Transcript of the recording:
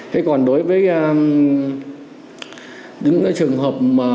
thế còn đối với những trường hợp